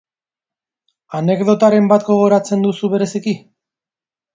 Anekdotaren bat gogoratzen duzu bereziki?